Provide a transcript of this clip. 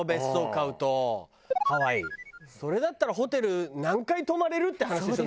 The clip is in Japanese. それだったらホテル何回泊まれる？って話でしょ